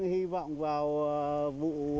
hy vọng vào vụ